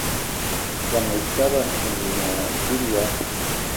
Soan Etaba ine a biloig